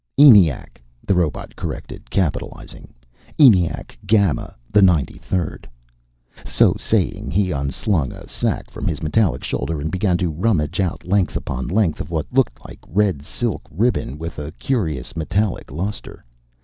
"ENIAC," the robot corrected, capitalizing. "ENIAC Gamma the Ninety Third." So saying, he unslung a sack from his metallic shoulder and began to rummage out length upon length of what looked like red silk ribbon with a curious metallic lustre.